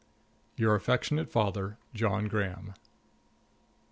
Your affectionate father, JOHN GRAHAM.